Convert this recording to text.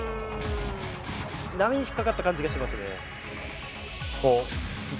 波に引っかかった感じがしますね。